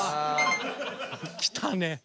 きたね。